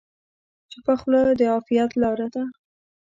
چپه خوله، د عافیت لاره ده.